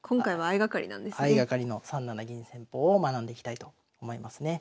相掛かりの３七銀戦法を学んでいきたいと思いますね。